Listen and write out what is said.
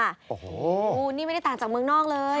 โอ้โหนี่ไม่ได้ต่างจากเมืองนอกเลย